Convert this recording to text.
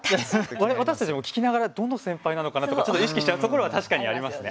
私たちも聞きながらどの先輩なのかなとかちょっと意識しちゃうところは確かにありますね。